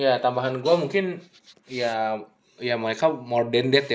ya tambahan gue mungkin ya mereka more dended ya